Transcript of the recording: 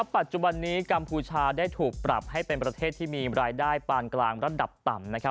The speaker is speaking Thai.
ปัจจุบันนี้กัมพูชาได้ถูกปรับให้เป็นประเทศที่มีรายได้ปานกลางระดับต่ำ